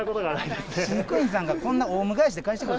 飼育員さんがこんなオウム返しで返して来る